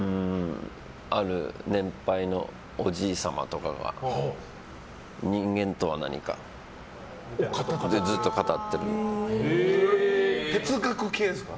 ある年配のおじい様とかが人間とは何かって哲学系ですか？